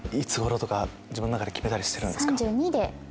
いつ頃とか自分の中で決めたりしてるんですか？